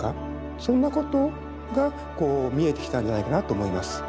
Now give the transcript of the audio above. そんなことがこう見えてきたんじゃないかなと思います。